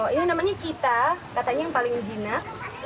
ini namanya cita katanya yang paling jinak